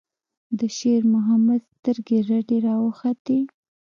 د شېرمحمد سترګې رډې راوختې.